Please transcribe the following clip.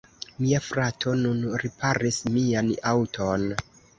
Mia frato nun riparis mian aŭton.